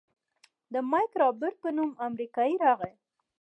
د مايک رابرټ په نوم امريکايي راغى.